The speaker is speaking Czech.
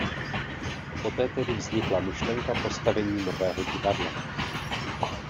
Poté tedy vznikla myšlenka postavení nového divadla.